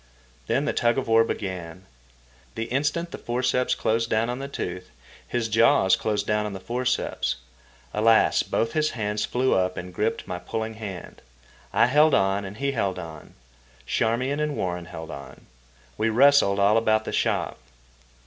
Then the tug of war began. The instant the forceps closed down on the tooth, his jaws closed down on the forceps. Also, both his hands flew up and gripped my pulling hand. I held on, and he held on. Charmian and Warren held on. We wrestled all about the shop.